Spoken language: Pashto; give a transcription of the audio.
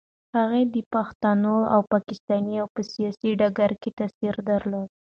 هغه د پښتنو او پاکستان په سیاسي ډګر کې تاثیر درلود.